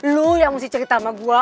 lu yang mesti cerita sama gue